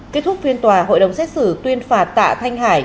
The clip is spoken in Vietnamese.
kết thúc phiên tòa hội đồng xét xử tuyên phạt tạ thanh hải